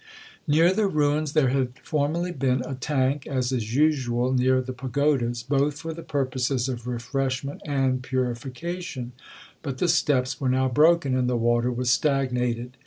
Near the ruins there had formerly been a tank, as is usual, near the pagodas, both for the purposes of refreshment and purification; but the steps were now broken, and the water was stagnated.